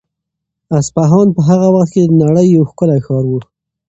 اصفهان په هغه وخت کې د نړۍ یو ښکلی ښار و.